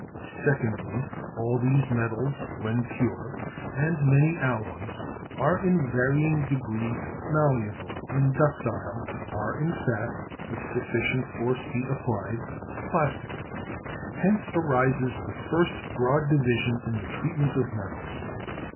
Secondly, all these metals when pure, and many alloys, are in varying degree malleable and ductile, are, in fact, if sufficient force be applied, plastic. Hence arises the first broad division in the treatment of metals.